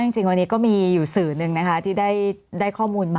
แล้วก็จริงวันนี้ก็มีอยู่สื่อหนึ่งที่ได้ข้อมูลมา